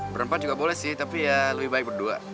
berempat juga boleh sih tapi ya lebih baik berdua